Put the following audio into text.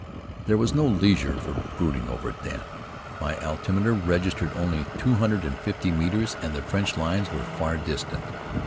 There was no leisure for brooding over it then. My altimeter registered only two hundred and fifty metres, and the French lines were far distant.